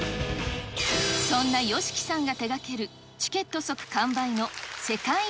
そんなＹＯＳＨＩＫＩさんが手がける、チケット即完売の世界一